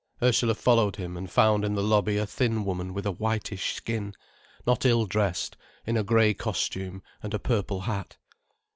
Ursula followed him, and found in the lobby a thin woman with a whitish skin, not ill dressed in a grey costume and a purple hat.